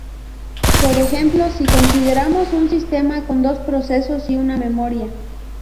Por ejemplo, si consideramos un sistema con dos procesos y una memoria.